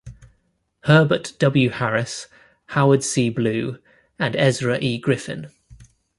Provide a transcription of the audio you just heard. Herbert W. Harris, Howard C. Blue and Ezra E. Griffith.